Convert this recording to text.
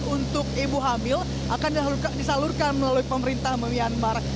untuk ibu hamil akan disalurkan melalui pemerintah myanmar